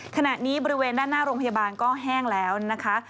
ขณะนี้บริเวณด้านหน้าโรงพยาบาลก็แห้งแล้วนะคะ